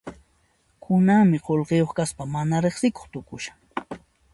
Kunanmi qullqiyuq kaspa mana riqsikuq tukushan.